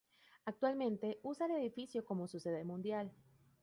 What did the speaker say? Actualmente usa el edificio como su sede mundial.